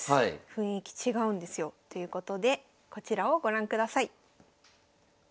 雰囲気違うんですよ。ということでこちらをご覧ください。